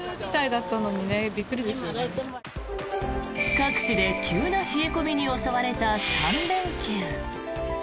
各地で急な冷え込みに襲われた３連休。